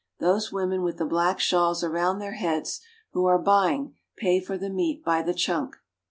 Those women with the black shawls around their heads, who are buying, pay for the meat by the chunk.